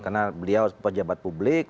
karena beliau pejabat publik